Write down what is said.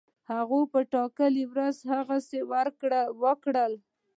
هغوی په ټاکلې ورځ هغسی وکړل.